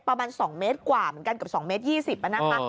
ประมาณ๒เมตรกว่าเหมือนกันก็๒๒๐เมตรนะครับ